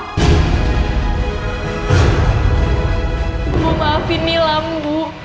ibu maafin nilam ibu